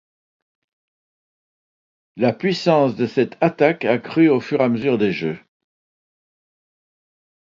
La puissance de cette attaque a crû au fur et à mesure des jeux.